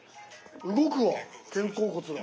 動くわ肩甲骨が。